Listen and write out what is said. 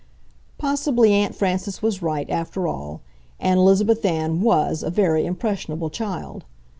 Possibly Aunt Frances was right, after all, and Elizabeth Ann WAS a very impressionable child.